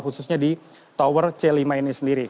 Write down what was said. khususnya di tower c lima ini sendiri